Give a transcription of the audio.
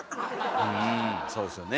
そうですよね